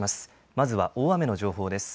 まずは大雨の情報です。